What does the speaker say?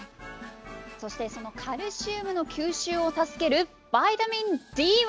そしてそのカルシウムの吸収を助けるビタミンＤは？